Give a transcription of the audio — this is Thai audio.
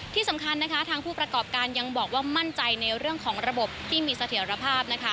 ที่สำคัญนะคะทางผู้ประกอบการยังบอกว่ามั่นใจในเรื่องของระบบที่มีเสถียรภาพนะคะ